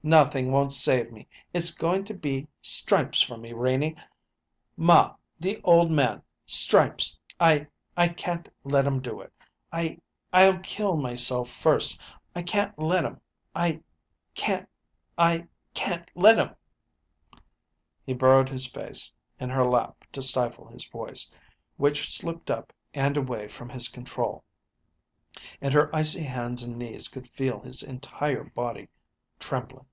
Nothing won't save me. It's going to be stripes for me, Renie. Ma the old man stripes! I I can't let 'em do it. I I'll kill myself first. I can't let 'em I can't I can't let 'em!" He burrowed his head in her lap to stifle his voice, which slipped up and away from his control; and her icy hands and knees could feel his entire body trembling.